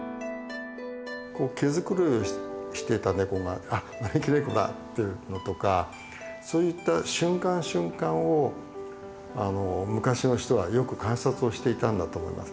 こう毛繕いをしてた猫が「あっ招き猫だ」っていうのとかそういった瞬間瞬間を昔の人はよく観察をしていたんだと思います。